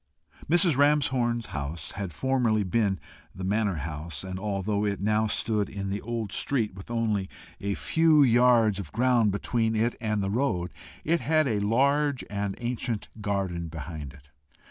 Mrs. Ramshorn's house had formerly been the manor house, and, although it now stood in an old street, with only a few yards of ground between it and the road, it had a large and ancient garden behind it.